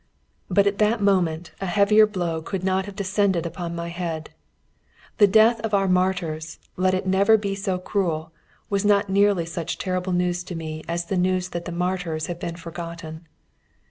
But at that moment a heavier blow could not have descended upon my head. The death of our martyrs, let it be never so cruel, was not nearly such terrible news to me as the news that the martyrs had been forgotten.